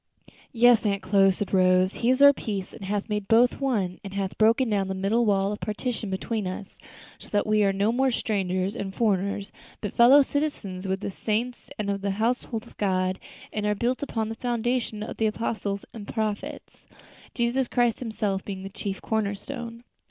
"Yes, Aunt Chloe," said Rose, "He is our peace, and hath made both one, and hath broken down the middle wall of partition between us; so that we are no more strangers and foreigners, but fellow citizens with the saints and of the household of God; and are built upon the foundation of the apostles and prophets, Jesus Christ himself being the chief corner stone."